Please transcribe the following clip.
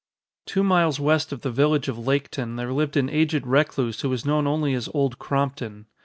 _] Two miles west of the village of Laketon there lived an aged recluse who was known only as Old Crompton.